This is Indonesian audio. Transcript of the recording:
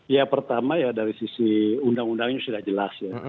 ya pertama ya dari sisi undang undangnya sudah jelas ya